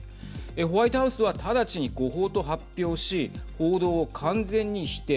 ホワイトハウスは直ちに誤報と発表し報道を完全に否定。